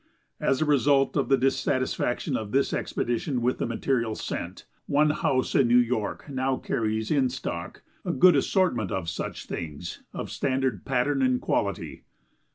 As a result of the dissatisfaction of this expedition with the material sent, one house in New York now carries in stock a good assortment of such things of standard pattern and quality.